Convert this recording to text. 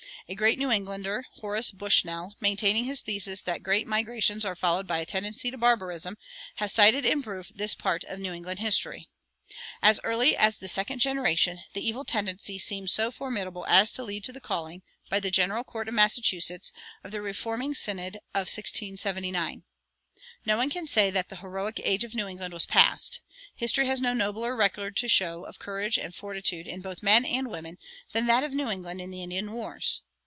A great New Englander, Horace Bushnell, maintaining his thesis that great migrations are followed by a tendency to barbarism, has cited in proof this part of New England history.[105:1] As early as the second generation, the evil tendency seemed so formidable as to lead to the calling, by the General Court of Massachusetts, of the "Reforming Synod" of 1679. No one can say that the heroic age of New England was past. History has no nobler record to show, of courage and fortitude in both men and women, than that of New England in the Indian wars.